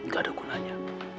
gak ada gunanya